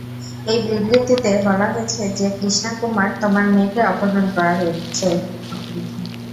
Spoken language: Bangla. এই বিবৃতিতে বলা হয়েছে যে কৃষ্ণা কুমার তোমার মেয়েকে অপহরণ করেছে।